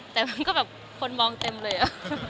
แต่มันก็แบบคนมองเต็มเลยอะ